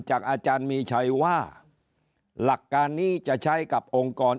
จากอาจารย์มีชัยว่าหลักการนี้จะใช้กับองค์กร